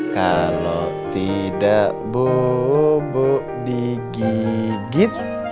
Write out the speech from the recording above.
kalau tidak bu bu digigit